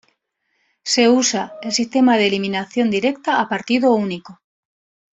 Se usa el sistema de eliminación directa a partido único.